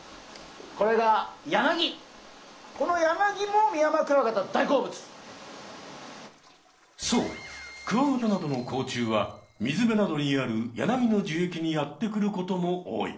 これがそうクワガタなどの甲虫は水辺などにあるヤナギの樹液にやって来ることも多い。